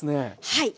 はい。